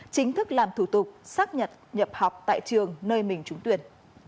chính thức làm thủ tục xác nhập học tại trường nơi mình trúng tuyển